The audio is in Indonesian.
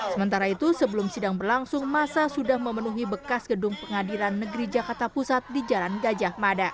sementara itu sebelum sidang berlangsung masa sudah memenuhi bekas gedung pengadilan negeri jakarta pusat di jalan gajah mada